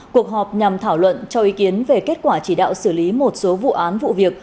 cuộc họp nhằm thảo luận cho ý kiến về kết quả chỉ đạo xử lý một số vụ án vụ việc